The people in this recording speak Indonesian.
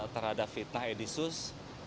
terhadap fitnah edy sus